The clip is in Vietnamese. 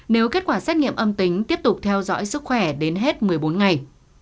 nếu kết quả xét nghiệm âm tính tiếp tục theo dõi sức khỏe đến hết một mươi bốn ngày